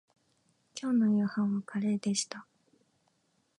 きょうの夕飯はカレーでした